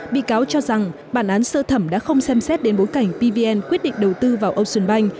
bị cáo cho rằng bản án sơ thẩm đã không xem xét đến bối cảnh pvn quyết định đầu tư vào ocean bank